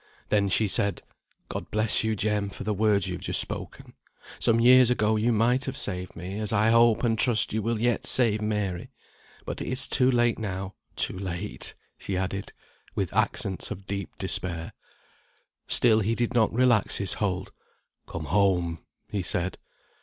Then she said, "God bless you, Jem, for the words you have just spoken. Some years ago you might have saved me, as I hope and trust you will yet save Mary. But it is too late now; too late," she added, with accents of deep despair. Still he did not relax his hold. "Come home," he said.